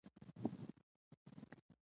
د بخارۍ استعمال باید له اصولو سره سم وي.